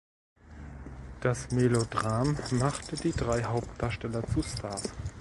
Das Melodram machte die drei Hauptdarsteller zu Stars.